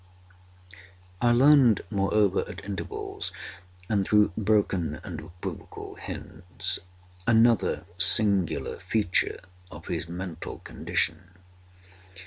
I learned, moreover, at intervals, and through broken and equivocal hints, another singular feature of his mental condition.